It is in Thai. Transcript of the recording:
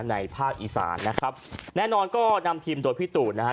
ภาคอีสานนะครับแน่นอนก็นำทีมโดยพี่ตูนนะฮะ